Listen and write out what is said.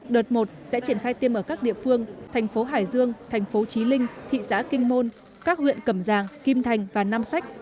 đợt một sẽ triển khai tiêm ở các địa phương thành phố hải dương thành phố trí linh thị xã kinh môn các huyện cẩm giàng kim thành và nam sách